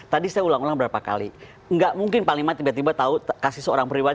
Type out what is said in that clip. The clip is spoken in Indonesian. tadi saya ulang ulang berapa kali enggak mungkin pak limat tiba tiba tahu kasih seorang periwara